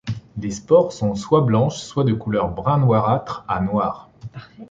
Les spores sont soit blanches, soit de couleur brun noirâtre à noire.